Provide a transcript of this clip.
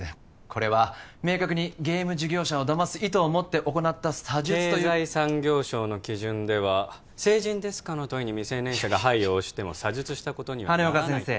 これは明確にゲーム事業者をだます意図を持って行った詐術と経済産業省の基準では「成人ですか？」の問いに未成年者が「はい」を押しても詐術したことにはならない羽根岡先生